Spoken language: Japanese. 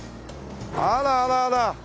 あらあらあら！